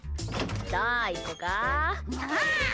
さあ、行こか。